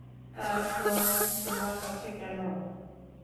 তার ফোন তোমার কাছে কেন?